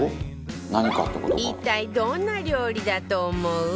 一体どんな料理だと思う？